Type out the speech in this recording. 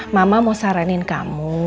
mama mau saranin kamu